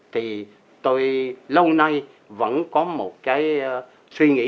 thì tôi lâu nay vẫn có một cái suy nghĩ